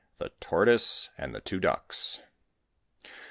THE TORTOISE AND THE TWO DUCKS.